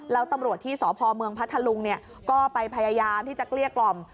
แล้วตำรวจที่สพเมืองพัทธลุงก็ไปพยายามที่จะเกลี้ยกล่อม